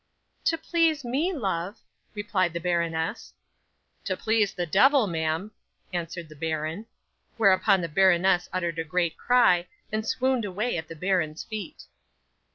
'"To please me, love," replied the baroness. '"To please the devil, ma'am," answered the baron. 'Whereupon the baroness uttered a great cry, and swooned away at the baron's feet.